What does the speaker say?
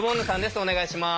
お願いします。